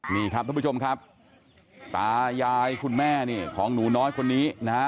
นี่ครับท่านผู้ชมครับตายายคุณแม่นี่ของหนูน้อยคนนี้นะฮะ